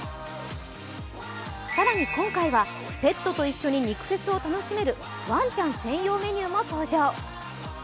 更に今回はペットと一緒に肉フェスを楽しめるワンちゃん専用メニューも登場。